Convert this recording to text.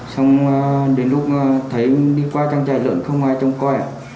xong đến lúc thấy đi qua trang trại lượn không ai trông coi ạ